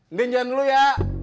ndin jalan dulu ya